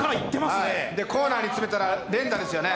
コーナーに詰めたら連打ですよね。